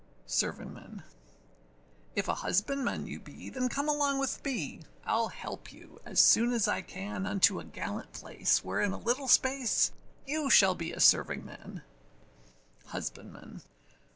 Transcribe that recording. SERVINGMAN. If a husbandman you be, then come along with me, Iâll help you as soon as I can Unto a gallant place, where in a little space, You shall be a servingman. HUSBANDMAN.